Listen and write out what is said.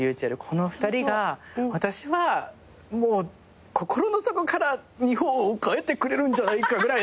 この２人が私はもう心の底から日本を変えてくれるんじゃないかぐらいの。